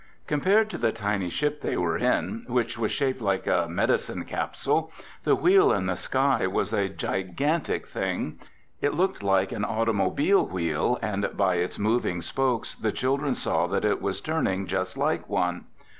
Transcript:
Compared to the tiny ship they were in, which was shaped like a medicine capsule, the Wheel in the Sky was a gigantic thing. It looked like an automobile wheel and by its moving spokes the children saw that it was turning just like one.